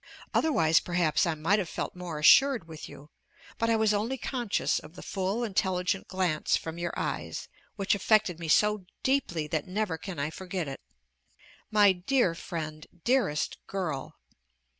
Otherwise perhaps I might have felt more assured with you; but I was only conscious of the full, intelligent glance from your eyes, which affected me so deeply that never can I forget it. My dear friend! dearest girl!